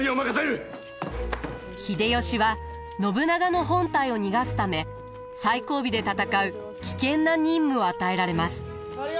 秀吉は信長の本隊を逃がすため最後尾で戦う危険な任務を与えられます。